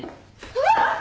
うわっ！